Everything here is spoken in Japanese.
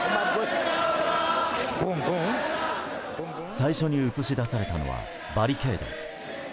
最初に映し出されたのはバリケード。